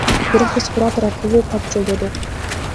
Бирок биз куратор аркылуу кат жолдодук.